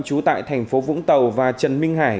trú tại thành phố vũng tàu và trần minh hải